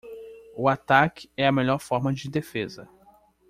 O ataque é a melhor forma de defesa.